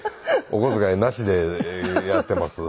お小遣いなしでやっています。